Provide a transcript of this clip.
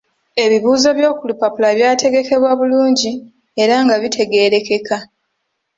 Ebibuuzo by’oku lupapula byategekebwa bulungi era nga bitegeerekeka.